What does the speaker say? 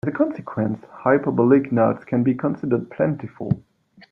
As a consequence, hyperbolic knots can be considered plentiful.